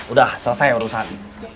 udah selesai urusan